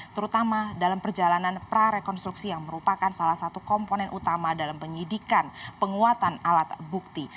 terutama dalam perjalanan prarekonstruksi yang merupakan salah satu komponen utama dalam penyidikan penguatan alat bukti